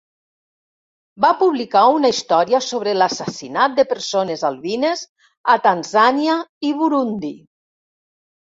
Va publicar una història sobre l'assassinat de persones albines a Tanzània i Burundi.